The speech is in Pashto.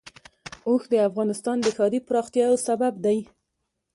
اوښ د افغانستان د ښاري پراختیا یو سبب دی.